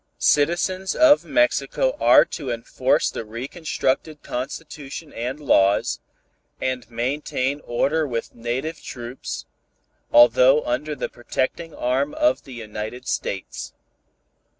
Citizens of Mexico are to enforce the reconstructed constitution and laws, and maintain order with native troops, although under the protecting arm of the United States.